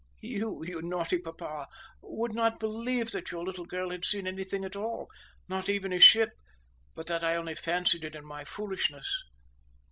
You, you naughty papa, would not believe that your little girl had seen anything at all, not even a ship, but that I only fancied it in my foolishness.